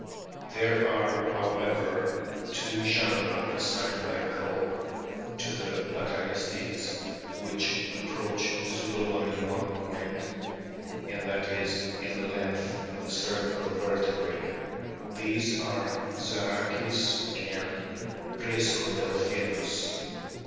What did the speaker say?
There are, however, 306 A BOOK OF WHALES two genera assigned by Cope* to the Platanistids which approach Zeuglodon in one point, and that is in the length of the cervical vertebrae ; these are Zarrhachis and Priscodelphinus.